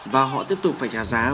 và họ tiếp tục phải trả giá